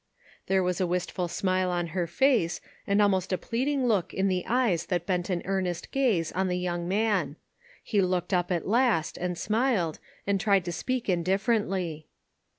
There was a wistful smile on her face, and almost a pleading look in the eyes that bent an earnest gaze on the young man. He looked up at last, and smiled, and tried to speak indifferently.